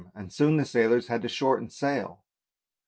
and soon the sailors had to shorten sail.